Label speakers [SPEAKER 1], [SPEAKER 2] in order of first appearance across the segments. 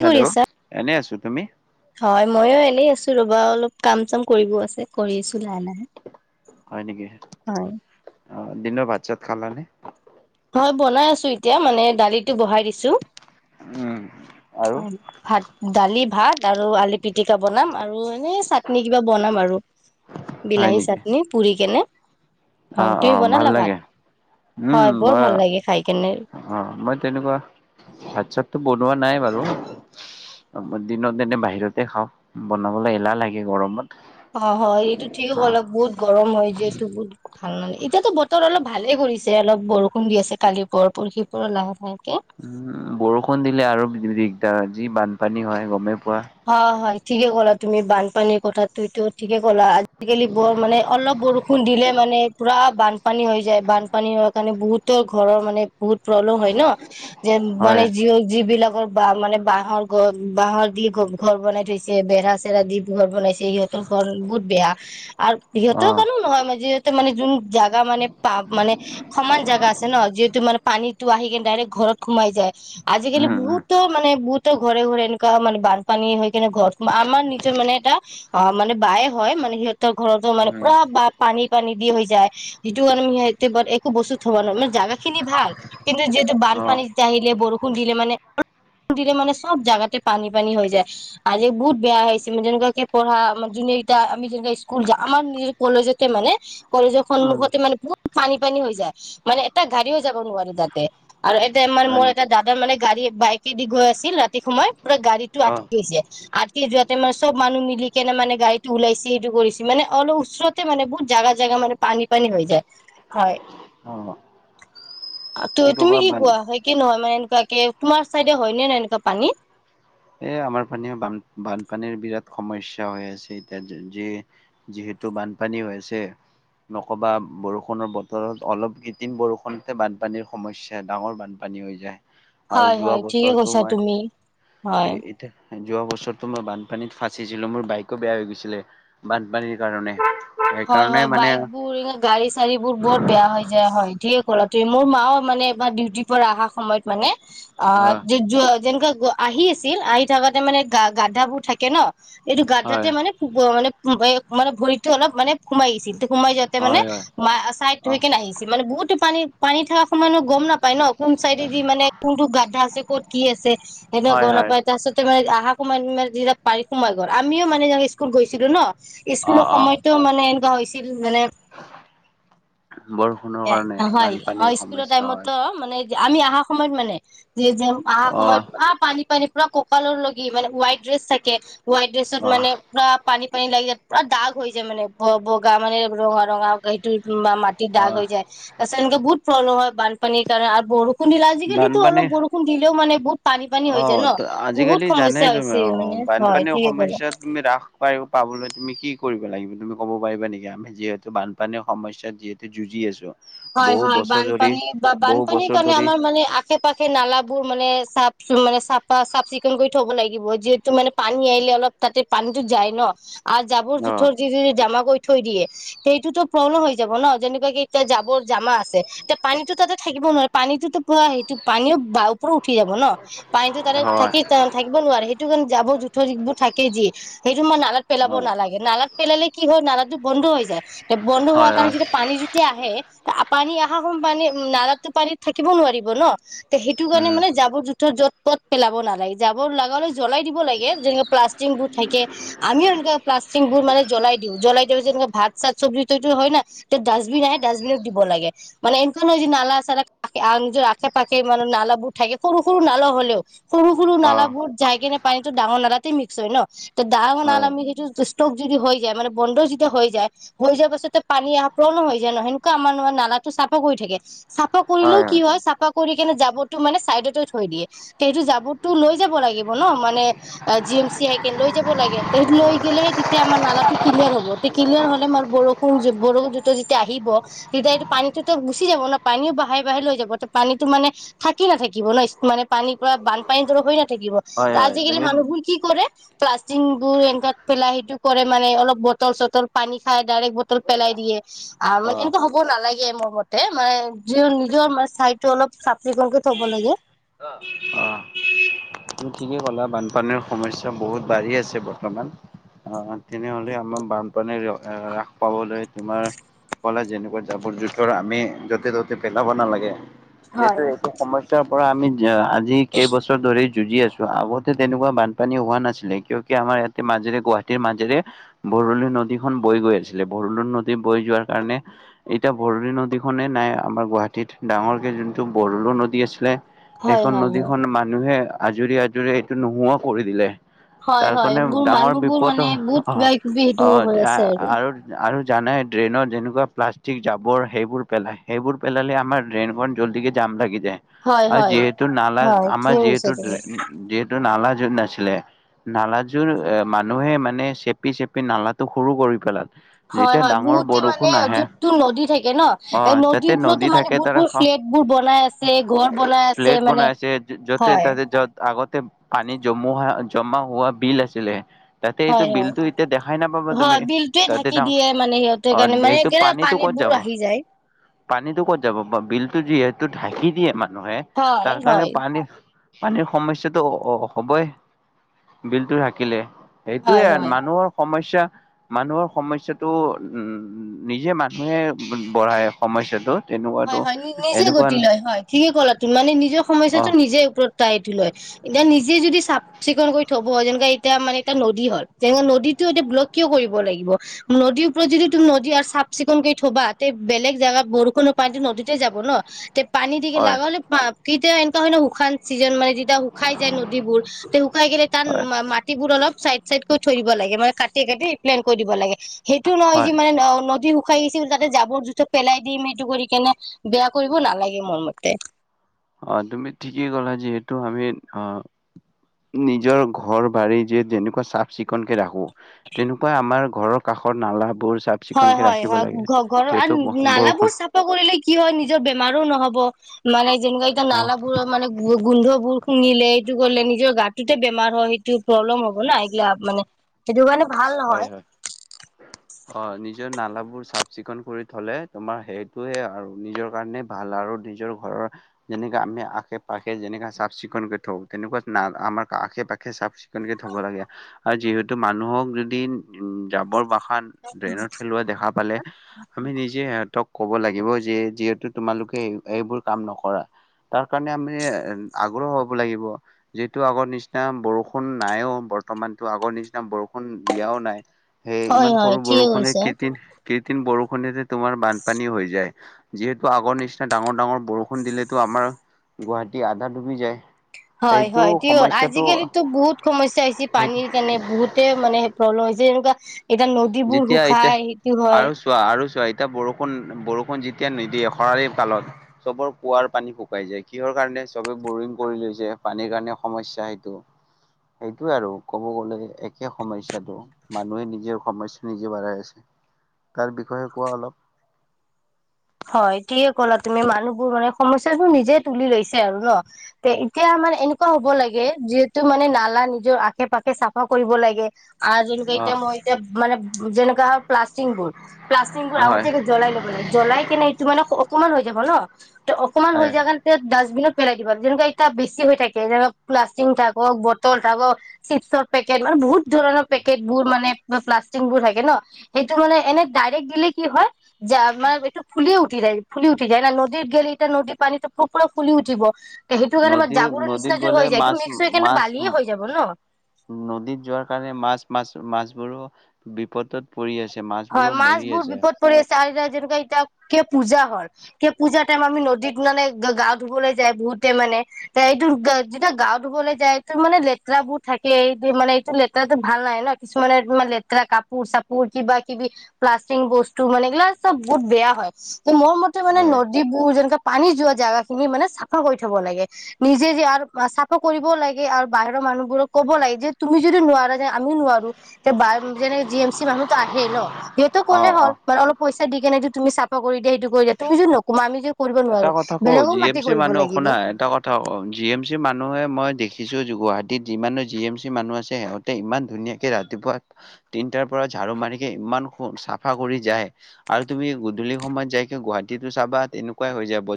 [SPEAKER 1] কি কৰি আছা?
[SPEAKER 2] এনেই আছোঁ। তুমি?
[SPEAKER 1] হয়। ময়ো এনেই আছো ৰবা অলপ কাম চাম কৰিবও আছে, কৰি আছোঁ লাহে লাহে।
[SPEAKER 2] হয় নেকি?
[SPEAKER 1] হয়।
[SPEAKER 2] অ'! দিনৰ ভাত চাত খালা নে?
[SPEAKER 1] হয় বনাই আছোঁ এতিয়া। মানে, দালিটো বহাই দিছোঁ।
[SPEAKER 2] উম আৰু
[SPEAKER 1] ভাত, দালি ভাত। আৰু আলু পিটিকা বনাম আৰু এনে চাটনি কিবা বনাম আৰু।
[SPEAKER 2] হয়
[SPEAKER 1] বিলাহী
[SPEAKER 2] নেকি
[SPEAKER 1] চাটনি পুৰি কেনে
[SPEAKER 2] অ
[SPEAKER 1] হয়,
[SPEAKER 2] অ
[SPEAKER 1] তুমি
[SPEAKER 2] ভাল
[SPEAKER 1] বনালা ভাত?
[SPEAKER 2] লাগে উম
[SPEAKER 1] হয়! বৰ
[SPEAKER 2] মই,
[SPEAKER 1] ভাল লাগে খাই কেনে
[SPEAKER 2] অ'! মই তেনেকুৱা ভাত চাতটো বনোৱা নাই বাৰু। দিনত দিনে বাহিৰতে খাওঁ বনাবলৈ এলাহ লাগে গৰমত।
[SPEAKER 1] অঁ হয় এইটো ঠিক
[SPEAKER 2] অ
[SPEAKER 1] হল বহুত গৰম হয় যিহেতটো বহুত। ভাল লাগে। এয়াতে বতৰ অলপ ভালে কৰিছে? যে অলপ বৰষুণ দি আছে কালি পোৰ পুৰহি পুৰা লাহে লাহেকে।
[SPEAKER 2] উম বৰষুণ দিলে আৰু দিগদাৰ যি বানপানী হয় গমে।
[SPEAKER 1] হয় হয় ঠিকে ক'লা তুমি বানপানীৰ কথাটোতো ঠিকে ক'লা আজিকালি বৰ মানে অলপ বৰষুণ দিলে মানে পুৰা বানপানী হৈ যায় বানপানী হয় কাৰণে বহুতৰ ঘৰৰ মানে বহুত প্ৰব্লেম হয় ন। যে মানে
[SPEAKER 2] হয়
[SPEAKER 1] যি যিবিলাক? ৰ ব মানে বাঁহৰ গ বাঁহৰ দি। ঘৰ বনাই থৈছে বেৰা চেৰা দি ঘৰ বনাইছে সিহঁতৰ ঘৰ বহুত বেয়া। আৰু
[SPEAKER 2] অ
[SPEAKER 1] সহতৰ ৰু কণো নহয় মই যে। মানে যোন জোগা মানে প মানে সমান জাগা আছে ন যিহেতু মানে পানী। টো আহি কিনে ডাইৰেক্ট ঘৰত সোমাই যায় আজিকালি
[SPEAKER 2] উম উম
[SPEAKER 1] বহুতো মানে বহুত। ঘৰে ঘৰে এনেকৈ মানে বান পানী হৈ কিনে ঘৰত আমাৰ নিজৰ মানে এটা অঁ মানে বায়ে হয় মানে সিহঁতৰ ঘৰতো মানে
[SPEAKER 2] উম
[SPEAKER 1] পুৰা পানী পানী দি হৈ যায় সেইটো কাৰি সিহঁতে একো বস্তু থ'ব নোৱাৰো মানে জাগা খিনি ভাল কিন্তু যিহেতু
[SPEAKER 2] অ
[SPEAKER 1] বানপানী আহিলে বৰষুণ দিলে মানে দিলে মানে চব জেগাতে পানী পানী হৈ যায়। আজি বহুত বেয়া আহছে মানে যেনেকুৱাকৈ পঢ়ানে যোনেকেইটা আমি যেনে স্কুল যাওঁ আমাৰ নিজৰ কলেজতে মানে কলেজৰ
[SPEAKER 2] উম
[SPEAKER 1] সন্মুখতে মানে বহুত পানী পানী হৈ যায় মানে এটা গাড়ীও যাব নোৱাৰে তাতে। আৰু এতিয়া আমাৰ
[SPEAKER 2] হয়
[SPEAKER 1] মোৰ
[SPEAKER 2] নেকি
[SPEAKER 1] এটা দাদা মানে গাড়ীয়ে বাইকে দি গৈ আছিল ৰাতি সময়ত পুৰা গাড়ীতটো
[SPEAKER 2] অ
[SPEAKER 1] আকে যোৱাতে মানে চব মানুহ মিলি কেনে মানে গাড়ীটো ওলাইছে সটো কৰিছে মানে অলপ ওচৰতে মানে বহুত জেগা জেগা মানে পানী পানী হৈ যায় হয়।
[SPEAKER 2] অ
[SPEAKER 1] তুমি
[SPEAKER 2] ক'বা
[SPEAKER 1] কি
[SPEAKER 2] বান
[SPEAKER 1] কোৱা হয় কি নহয় মানে তোমাৰ চাইডে হয়নে নে এনেকুৱা পানী
[SPEAKER 2] এ আমাৰ পানী বান বানপানীৰ বিৰাট সমস্যা হৈ আছে এতিয়া য যিহেতু বানপানী হৈ আছে নকবা বৰষুণৰ বতৰত অলপ ক্ৰিম বৰষুণতে বানপানীৰ সমস্যাৰ ডাঙৰ বানপানী হৈ যায়। আৰু
[SPEAKER 1] হয় হয় ঠিকে কৈছা তুমি। হয়।
[SPEAKER 2] এতি যোৱা বছৰো মই বানপানীত ফচিছিলো মোৰ বাইকো বেয়া হৈ গৈছিলে বানপানীৰ কাৰণে।
[SPEAKER 1] হয়
[SPEAKER 2] সেইকাৰণে
[SPEAKER 1] হয়
[SPEAKER 2] মানে
[SPEAKER 1] বাইক বোৰ এ গাড়ী চাৰী বোৰ বৰ বেয়া হৈ যায় হয় ঠিক আছে। সকলোতে মোৰ মা মানে বা ডিউটিৰ পৰা অহা সময়ত মানে
[SPEAKER 2] অ
[SPEAKER 1] অঁ যেনেকুৱা আহি আছিল আহি। থাকাতে মানে গা গাতবোৰ থাকে ন। এইটো গা
[SPEAKER 2] হয়
[SPEAKER 1] ততে মানে মানে। মানে ভৰিটো অলপ। মানে সোমাই আহিছিল সোমাই যাওঁতে মানে
[SPEAKER 2] হয় হয়
[SPEAKER 1] ম চাইড থৈ
[SPEAKER 2] অ
[SPEAKER 1] কেনে আহিছিল মানে বহুতো। পানী পানী থকা সময়নো গম নাপায় ন কোন চাইডেদি মানে কোনটো গাদ্ধা আছে ক'ত কি আছে সেইতাক
[SPEAKER 2] হয়
[SPEAKER 1] গম
[SPEAKER 2] হয়
[SPEAKER 1] নাপায় তাৰ সতে মানে। আহ কোমাইতি পাৰি সোমাই ঘৰ আমিও মানে স্কুল গৈছিলো ন।
[SPEAKER 2] অ
[SPEAKER 1] স্কুলৰ
[SPEAKER 2] অ
[SPEAKER 1] সময়ত মানে এনেকুৱা হৈছিল। উ মানে
[SPEAKER 2] বৰষুণৰ
[SPEAKER 1] এ
[SPEAKER 2] কাৰণে
[SPEAKER 1] হয় অ
[SPEAKER 2] বানপানীৰ
[SPEAKER 1] স্কুলৰ
[SPEAKER 2] সমস্যা হয়
[SPEAKER 1] টাইমতো মানে। আমি অহা সময়ত মানে। যে যে আহক
[SPEAKER 2] অ
[SPEAKER 1] মই আহ পানী পানী। পুৰা কঁকালৰ লগি মানে হোৱাইট ড্ৰেছ থাকে হোৱাইট ড্ৰেছত
[SPEAKER 2] অ
[SPEAKER 1] মানে পু পানী পানী লাগি যায় পুৰা দাগ হৈছে যে মানে বগা মানে ৰঙা ৰঙা সেইটো বা মাটিৰ
[SPEAKER 2] অ
[SPEAKER 1] দাগ হৈ যায় তেনেকে বহুত প্ৰব্লেম হয় বানপানীৰ দ্বাৰা আগবা খুন্দিলে আজিকালিত
[SPEAKER 2] বানপানী
[SPEAKER 1] অলপ বৰষুণ দিলেও মানে বহুত পানী পানী হৈ যায়
[SPEAKER 2] অ'
[SPEAKER 1] ন,
[SPEAKER 2] আজিকালি
[SPEAKER 1] বহুত
[SPEAKER 2] জানাই
[SPEAKER 1] সমস্যা
[SPEAKER 2] তুমি
[SPEAKER 1] হৈছে
[SPEAKER 2] অ'
[SPEAKER 1] মানে হয়
[SPEAKER 2] বানপানীৰ
[SPEAKER 1] ঠিকে ক'লা।
[SPEAKER 2] সমস্যা তুমি হ্ৰাস পাবলৈ তুমি কি কৰিব লাগিব, তুমি ক'ব পাৰিবা নেকি আমি যিহেতু বানপানীৰ সমস্যাত যিহেতু যুঁজি আছো।
[SPEAKER 1] হয়
[SPEAKER 2] বহু
[SPEAKER 1] হয়
[SPEAKER 2] বছৰ ধৰি
[SPEAKER 1] বানপানী বা
[SPEAKER 2] বহু
[SPEAKER 1] বানপানীৰ
[SPEAKER 2] বছৰ
[SPEAKER 1] কাৰণে
[SPEAKER 2] ধৰি
[SPEAKER 1] আমাৰ মানে আশে পাশে নালাবোৰ মানে চ মানে চাফা চাফ চিকুণ কৰি থব লাগিব যিহেতু মানে পানী আহিলে অলপ তাতে পানীতো যায় ন আৰু জাবৰ
[SPEAKER 2] অ'
[SPEAKER 1] জোথৰ যি যি জমা কৰি থৈ দিয়ে তে এইটোতো প্ৰব্লেম হৈ যাব ন যেনেকুৱা কি এতিয়া জাব ৰ জমা আছে, এতিয়া পানীতো তাতে থাকিব নোৱাৰে পানীতোতো পুৰা সেইটো পানীও উঠি যাব ন, পানীটো তাৰে
[SPEAKER 2] হয়
[SPEAKER 1] থাকি থাকিব নোৱাৰে সেইটো কাৰণে জাবৰ জো টোৰ এইবোৰ থাকে যিয়ে এ ই নালাত পেলাব
[SPEAKER 2] অ'
[SPEAKER 1] নালাগে নালাত পেলালে কি হয়, নালাটো বন্ধ হৈ যায় তে বন্ধ হোৱাৰ
[SPEAKER 2] হয়
[SPEAKER 1] কাৰণে
[SPEAKER 2] হয়
[SPEAKER 1] যেতিয়া পানী যেতিয়া আহে পানী আহা সম পানী নালাতো পানীত থাকিব নোৱাৰিব ন। তে সেইটো কাৰণে
[SPEAKER 2] উম
[SPEAKER 1] মানে জাবৰ জোথৰ য'ত পত পেলাব নালাগে, জাবৰ লগালে জ্বলাই দিব লাগে যেনে প্লাষ্টিক বোৰ থাকে আমিও এনে প্লাষ্টিক বোৰ মানে জ্বলাই দিওঁ, জ্বলাই দিও যেনেকে ভাত চাত চবজিটো হয় না তে ডাষ্টবিন আহে ডাষ্টবিনত দিব লাগে, মানে এনেকোৱা নহয় যে নালা চালা নিজৰ আশে পাশে মানে নালাবোৰ থাকে সৰু সৰু নালা হলেও সৰু সৰু নালা
[SPEAKER 2] অ'
[SPEAKER 1] বোৰ যায়গে নে পানীটো ডাঙৰ নালাতেই মিক্স হয় ন, ডাঙৰ নাল
[SPEAKER 2] হয়
[SPEAKER 1] আমি সেইটো ষ্টক যদি হৈ যায় মানে বন্ধ যেতিয়া হৈ যায়, হৈ যোৱাৰ পাছত পানী অহা পৰণো হৈ যায়, ন আমাৰ নালাটো চাফা কৰি থাকে, চাফা কৰিলেও কি হয়, চাফা কৰি কেনে জাবৰটো মানে চাইডতে থৈ দিয়ে, তেটো জাবৰটো লৈ যাব লাগিব ন মানে জি এম চি হ কে লৈ যাব লাগে লৈ গেলেহে তেতিয়া আমাৰ নালাটো ক্লিয়াৰ হ'ব, তে ক্লিয়াৰ হ'লে আমাৰ বৰষুণ বৰু জোত যেতিয়া আহিব- তেতিয়া এইটো পানীতোতো গুচি যাব ন, পানীও বাহে বাহে লৈ যাব, ত পানীতো মানে থাকি নাথাকিব ন মানে পানীৰ পৰা বানপানী দৰেই হৈ নাথাকিব, ত
[SPEAKER 2] হয় হয়
[SPEAKER 1] আজিকালি
[SPEAKER 2] তুমি
[SPEAKER 1] মানুহবোৰ কি কৰে প্লাষ্টিক বোৰ এনেকুৱাত পেলাই সেইটো কৰে মানে অলপ বটল চটল পানী খাই ডাইৰেক্ট বটল পেলাই দিয়ে আহ মান
[SPEAKER 2] অ'
[SPEAKER 1] এনেকা হ'ব নালাগে মোৰ মতে, মানে নিজৰ চাইটো অলপ চাফ চিকুণকে থব লাগে।
[SPEAKER 2] অ' তুমি ঠিকেই কলা বানপানীৰ সমস্যা বহুত বাঢ়ি আছে বৰ্তমান, আহ তেনেহলে আমাৰ বানপানীৰ হ্ৰাস পাবলৈ তোমাৰ কলা যেনেকুৱা জাবৰ জোথৰ আমি য'তে ত'তে পেলাব নালাগে।
[SPEAKER 1] হয়
[SPEAKER 2] যিহেতু এইটো সমস্যা পৰা আমি আজি কেইবছৰ ধৰি যুঁজি আছো, আগতে তেনেকুৱা বানপানী হোৱা নাছিলে, কিয় কি আমাৰ ইয়াতে মাজেৰে গুৱাহাটীৰ মাজেৰে বৰলী নদীখন বৈ গৈ আছিলে, বৰলো নদী বৈ যোৱাৰ কাৰণে এতিয়া ভৰলি নদীখনে নাই আমাৰ গুৱাহাটীত ডাঙৰকে যোনটো বৰলো নদী আছিলে
[SPEAKER 1] হয়
[SPEAKER 2] সেইখন
[SPEAKER 1] হয় হয়
[SPEAKER 2] নদীখন মানুহে আজৰি আজৰি এইটো নোহোৱাও কৰি দিলে।
[SPEAKER 1] হয়
[SPEAKER 2] তাৰ
[SPEAKER 1] হয়,
[SPEAKER 2] কাৰণে
[SPEAKER 1] মোৰ
[SPEAKER 2] ডাঙৰ
[SPEAKER 1] মানুহবোৰ
[SPEAKER 2] বিপদ
[SPEAKER 1] মানে বহুত
[SPEAKER 2] অ',
[SPEAKER 1] কিবা কিবি সেইটো
[SPEAKER 2] অ',
[SPEAKER 1] হৈ আছে আৰু।
[SPEAKER 2] জানাই ট্ৰেইনত যেনেকুৱা প্লাষ্টিক, জাবৰ সেইবোৰ পেলায়। সেইবোৰ পেলালে, আমাৰ ড্ৰেইনখন জল্দিকে জাম লাগি
[SPEAKER 1] হয়
[SPEAKER 2] আৰু
[SPEAKER 1] হয়
[SPEAKER 2] যিহেতু নালা
[SPEAKER 1] হয় ঠিক
[SPEAKER 2] আমাৰ যিহে
[SPEAKER 1] কৈছা তুমি
[SPEAKER 2] যিহেতু, নালা য'ত নাছিলে, নালাযোৰ মানুহে মানে চেপি চেপি নালাটো সৰু কৰি পেলালে।
[SPEAKER 1] হয়, হয়। বহুতে মানে, য'ততো নদী থাকে ন' এই
[SPEAKER 2] অ', যাতে
[SPEAKER 1] নদীৰ ওপৰতো
[SPEAKER 2] নদী
[SPEAKER 1] মানে,
[SPEAKER 2] থাকে
[SPEAKER 1] বহুত
[SPEAKER 2] তাৰ
[SPEAKER 1] ফ্লেট বোৰ বনাই আছে, ঘৰ বনাই আছে
[SPEAKER 2] ফ্লেট বনাই
[SPEAKER 1] মানে।
[SPEAKER 2] আছে য'তে
[SPEAKER 1] হয়
[SPEAKER 2] তাতে য'ত আগতে পানী জমা হোৱা বিল আছিলে। তাতে এইটো
[SPEAKER 1] হয়, হয়,
[SPEAKER 2] বিলটো এতিয়া দেখাই নাপাবা তুমি
[SPEAKER 1] হয়! বিলটোৱে
[SPEAKER 2] তাতে
[SPEAKER 1] ঢাকি
[SPEAKER 2] ডাঙ
[SPEAKER 1] দিয়ে মানে, সিহঁতে
[SPEAKER 2] অ
[SPEAKER 1] কাৰণে
[SPEAKER 2] এইটো
[SPEAKER 1] মানে,
[SPEAKER 2] পানীটো ক'ত
[SPEAKER 1] পানীবোৰ
[SPEAKER 2] যাব
[SPEAKER 1] আহি যায়।
[SPEAKER 2] পানীটো ক'ত যাব বা বিলটো যিহেতু ঢাকি দিয়ে মানে। নহয়।
[SPEAKER 1] হয়
[SPEAKER 2] তাৰ কাৰণ,
[SPEAKER 1] হয়
[SPEAKER 2] পানী পানীৰ সমস্যাটো হ'বই বিলটো থাকিলে। সেইটোৱে
[SPEAKER 1] হয় হয়।
[SPEAKER 2] মানুহৰ সম সমস্যা মানুহৰ সমস্যাটো উম, নিজে মানুহে বঢ়ায় সমস্যাটো। তেনেকুৱাতো
[SPEAKER 1] হয়, হয়। নি নিজে
[SPEAKER 2] এনেকুৱা
[SPEAKER 1] গতি লয়। হয়! ঠিকে ক'লা তুমি মানে, নিজৰ
[SPEAKER 2] অ
[SPEAKER 1] সমস্যাটো নিজে ওপৰত টাইটো লয়। এতিয়া নিজে, যদি চাফ চিকুণ কৰি থব যেনেকা এতিয়া মানে, এটা নদী হ'ল তেনে নদীতটো এতিয়া ব্লক কিয় কৰিব লাগিব? নদীৰ ওপৰত যদি তুমি নদী আৰু চাফ চিকুণ কৰি থ'বা তে বেলেগ জেগাত বৰষুণৰ [unintelligible] পানীটো নদীতে যাব ন'। পানী দি
[SPEAKER 2] হয়
[SPEAKER 1] লগালে পা কেতিয়া এনেকুৱা হয় ন'। শুকান চিজন মানে যি এতিয়া শুকাই যায় নদীবোৰ। তে শুকাই গেলে তাত
[SPEAKER 2] হয়
[SPEAKER 1] মাটিবোৰ অলপ চাইড, চাইড কৰি থৈ দিব লাগে। মানে, কাটি, কাটি প্লেন কৰি দিব লাগে। সেইটো নহয় যে
[SPEAKER 2] হয়
[SPEAKER 1] মানে, নদী খাই গৈছিল তাতে জাবৰ জোঠৰ পেলাই দিম, সেইটো কৰিম। বেয়া কৰিব নালাগে মোৰ মতে।
[SPEAKER 2] অ'! তুমি ঠিকেই ক'লা যিহেতু আমি, অ'! নিজৰ ঘৰ-বাৰী যে যেনেকুৱা চাফ চিকুণকে ৰাখো তেনেকুৱা আমাৰ ঘৰৰ কাষৰ নালা বোৰ
[SPEAKER 1] হয়, হয়, হয়। ঘ ঘৰৰ আৰু
[SPEAKER 2] বৰষুণ
[SPEAKER 1] নালাবোৰ চাফা কৰিলে কি হয় নিজৰ বেমাৰো নহ'ব। মানে, যেনেকুৱা এতিয়া
[SPEAKER 2] অ',
[SPEAKER 1] নালাবোৰৰ মানে গো গোন্ধ বোৰ শুঙিলে সেইটো গ'লে নিজৰ গাটোতে বেমাৰ হয়। সেইটো প্ৰব্লেম হ'ব না। এইগিলা মানে, সেইটো কাৰণে ভাল
[SPEAKER 2] হয়
[SPEAKER 1] নহয়।
[SPEAKER 2] হয়। অ'! নিজৰ নালাবোৰ চাফ -চিকুণ কৰি থ'লে, তোমাৰ সেইটোহে আৰু নিজৰ কাৰণে ভাল আৰু নিজৰ ঘৰৰ যেনেকা আমি আশে পাশে যেনেকা চাফ চিকুণ কৰি থওঁ। তেনেকুৱা আমাৰ আশে পাশে চাফ চি তেনেকে থ'ব লাগে আৰু যিহেতু টো মানুহক যদি [unintelligible] উম জাবৰ বাষা ড্ৰেইনত ফেলোৱা দেখা পালে আমি নিজে সেহঁতক ক'ব লাগিব যে যিহেতু তোমালোকে এইবোৰ কাম নকৰা তাৰ কাৰণে আমি আগ্ৰহ হ'ব লাগিব যিহেতু আগৰ নিচিনা বৰষুণ নাইও বৰ্তমানতো আগৰ নিচিনা বৰষুণ দিয়াও নাই। সেই
[SPEAKER 1] হয়
[SPEAKER 2] ইমান
[SPEAKER 1] হয়
[SPEAKER 2] সৰু
[SPEAKER 1] ঠিকে
[SPEAKER 2] বৰষুণে
[SPEAKER 1] কৈছা।
[SPEAKER 2] ক্ৰিটিন কৃত্ৰিম বৰষুণতে তোমাৰ বানপানী হৈ যায় যিহেতু আগৰ নিচিনা ডাঙৰ ডাঙৰ বৰষুণ দিলেতো আমাৰ গুৱাহাটী আধা ডুবি যায়।
[SPEAKER 1] হয়
[SPEAKER 2] সেইটো
[SPEAKER 1] হয় কি হ'ল
[SPEAKER 2] সমস্যাটো
[SPEAKER 1] আজিকালিতো বহুত সমস্যা হৈচি পানীৰ কাৰণে বহুতে মানে প্ৰব্লেম হৈছ যেনেকুৱা এতিয়া নদীবোৰ
[SPEAKER 2] যেতিয়া এতিয়া
[SPEAKER 1] শুখাই সেইটো হয়।
[SPEAKER 2] আৰু চোৱা আৰু চোৱা এতিয়া বৰষুণ বৰষুণ যেতিয়া নিদিয়ে খৰালি কালত চবৰ কোঁৱাৰ পানী শুকাই যায় কিহৰ কাৰণে চবে বৰিং কৰি লৈছে পানীৰ কাৰণে সমস্যা সেইটো সেইটোয়ে আৰু ক'ব গলে একে সমস্যাটো মানুহে নিজেও সমস্যা নিজে বাঢ়াই আছে তাৰ বিষয়ে কোৱা অলপ।
[SPEAKER 1] হয় ঠিকে ক'লা তুমি মানুহবোৰ মানে সমস্যাবোৰ নিজে তুলি লৈছে আৰু ন তে এতিয়া আমাৰ এনেকুৱা হ'ব লাগে যিহেতু মানে নালা নিজৰ আশে পাশে চাফা কৰিব লাগে। আ যোন কেইটা মই এতিয়া মানে যেনেকা প্লাষ্টিং বোৰ প্লাস্তিংবোৰ
[SPEAKER 2] অ হয়
[SPEAKER 1] আগতীয়াকে জ্বলাই ল'ব লাগে জ্বলাই [unintelligible] অকমান হৈ যাব ন। অকণমান হৈ
[SPEAKER 2] হয়।
[SPEAKER 1] যায় [unintelligible] ডাষ্টবিনত পেলাই দিব লাগে যেনেকুৱা এতিয়া বেছি হৈ থাকে যেনেক প্লাস্তিং থাকক বটল থাকক চিপছৰ পেকেট মানে বহুত ধৰণৰ পেকেট বোৰ মানে প্লাছতিংবোৰ থাকে ন সেইটো মানে এনে ডাইৰেক্ট দিলে কি হয় যে মানে এইটো ফুলি উঠি যায় ফুলি উঠি যায় না নদী গেলি এতিয়া নদীৰ পানীটো [unintelligible] ফুলি উঠিব। সেইটো কাৰণে মানে
[SPEAKER 2] নদীৰ
[SPEAKER 1] জাবৰৰ
[SPEAKER 2] নদীত
[SPEAKER 1] নিচিনা
[SPEAKER 2] গলে
[SPEAKER 1] হৈ যায় এইটো মিক্স হৈ কেনে
[SPEAKER 2] মাছ-মাছ
[SPEAKER 1] বালিয়ে হৈ যাব ন
[SPEAKER 2] নদীত যোৱাৰ কাৰণে মাছ মাছ-মাছ বোৰো বিপদত পৰি আছে
[SPEAKER 1] হয়
[SPEAKER 2] মাছবোৰো
[SPEAKER 1] মাছ
[SPEAKER 2] মৰি
[SPEAKER 1] বোৰ
[SPEAKER 2] আছে
[SPEAKER 1] বিপদ পৰি আছে। [unintelligible] যেনেকুৱা এতিয়া কিয় পূজা হল কিয় পূজা টাইম আমি নদীত মানে গা ধুবলৈ যায় বহুতে মানে এ এইটো যেতিয়া গা ধুবলৈ যায় এইটো মানে লেতেৰা বোৰ থাকে এই মানে এইটো লেতেৰাটো ভাল নাই ন কিছুমানে ত লেতেৰা কাপোৰ চাপোৰ কিবা কিবি প্লাছটিং বস্তু মানে এইগিলা চব বহুত বেয়া হয়। মোৰ মতে মানে
[SPEAKER 2] হয়
[SPEAKER 1] নদীবোৰ যেনেকা পানী যোৱা জোগা খিনি মানে চাফা কৰি থব লাগে নিজে যে আৰু চাফা কৰিবও লাগে আৰু বাহিৰৰ মানুহবোৰক ক'ব লাগে যে তুমি যদি নোৱাৰা যে আমিও নোৱাৰো এ জি এম চি মানুহতো আহিয়ে থাকে হেই ন হেইতো
[SPEAKER 2] অ
[SPEAKER 1] ক'লেই
[SPEAKER 2] অ
[SPEAKER 1] হ'ল মান অলপ পইচা হেতু দি কেনি যদি তুমি চাফা কৰি দিয়া সেইটো কৰি দিয়া তুমি যদি নকৰা আমি যদি নকৰো
[SPEAKER 2] এটা কথা কও জি এম চি মানুহ শুনা এটা কথা কও জি এম চি মানুহে মই দেখি িছো গুৱাহাটীত যিমানো জি এম চি মানুহ আছে সিহঁতে ইমান ধুনীয়াকে ৰাতিপুৱা তিনটাৰ পৰা ঝাাৰু মাৰিকে ইমান চাফা কৰি যায় আৰু তুমি গধূলি সময়ত যাইকে গুৱাহাটীতো চাবা তেনেকুৱা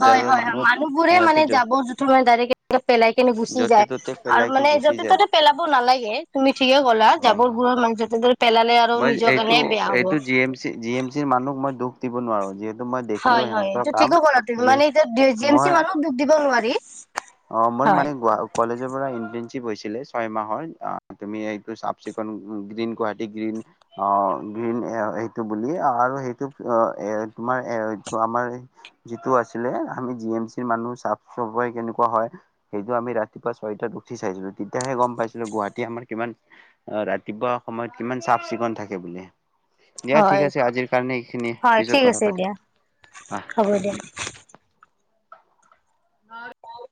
[SPEAKER 1] হয় হয় হয় মানুহবোৰে মানে জাবৰ জোথৰ মানে ডাইৰেক্ট পেলাই কিনে গুচি
[SPEAKER 2] য'তে
[SPEAKER 1] যায়
[SPEAKER 2] ত'তে
[SPEAKER 1] আৰু
[SPEAKER 2] পেলাই কি
[SPEAKER 1] মানে
[SPEAKER 2] গুচি
[SPEAKER 1] য'তে
[SPEAKER 2] যায়
[SPEAKER 1] ত'তে পেলাব নালাগে তুমি ঠিকে ক'লা
[SPEAKER 2] অ
[SPEAKER 1] জাবৰবোৰৰ মানে য'তে ত'তে তৰে
[SPEAKER 2] মই এইটো এইটো G M C G M চিৰ মানুহক মই দুষ দিব নোৱাৰো যিহেতু মই
[SPEAKER 1] হয়
[SPEAKER 2] দেখিলো
[SPEAKER 1] হয়
[SPEAKER 2] সিঁহতৰ
[SPEAKER 1] এইটো
[SPEAKER 2] কাম
[SPEAKER 1] ঠিকে ক'লা তুমি মানে এতিয়া জি এম চি
[SPEAKER 2] মই
[SPEAKER 1] মানুহক দুখ দিব নোৱাৰি
[SPEAKER 2] অ মোৰ
[SPEAKER 1] হয়
[SPEAKER 2] মানে কলেজৰ পৰা ইনটেনচিপ কি গৈছিলে ছয় মাহত তুমি এইটো চাফ চিকুন গ্ৰীণ গুৱাহাটী গ্ৰীণ অ গ্ৰীণ এ সেইটো বুলি আৰু সেইটো এ তোমাৰ এটো আমাৰ যিটো আছিলে আমি জি এম চিৰ মানুহ চাফ চফাই কেনেকুৱা হয় সেইটো আমি ৰাতিপুৱা ছয়তো উঠি চাইছিলো তেতিয়াহে গম পাইছিলো গুৱাহাটী আমাৰ কিমান ৰাতিপুৱা সময়ত কিমান চাফ চিকুণ থাকে বুলি দিয়া ঠিক
[SPEAKER 1] হয়
[SPEAKER 2] আছে আজিৰ কাৰণে এইখিনি
[SPEAKER 1] হয়
[SPEAKER 2] পিছত
[SPEAKER 1] ঠিক
[SPEAKER 2] কথা
[SPEAKER 1] আছে দিয়া
[SPEAKER 2] পাতিম
[SPEAKER 1] হ'ব দিয়া
[SPEAKER 2] আঁহ অঁ